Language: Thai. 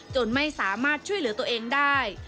จนไม่สามารถช่วยเหลือตัวเองได้